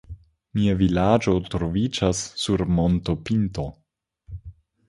Mia vilaĝo troviĝas sur montopinto.